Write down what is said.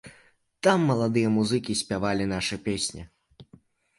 Там маладыя музыкі спявалі нашы песні.